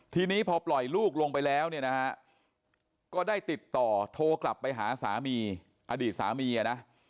ทีนี้พอปล่อยลูกลงไปแล้วเนี่ยนะฮะก็ได้ติดต่อโทรกลับไปหาสามีอดีตสามีนะ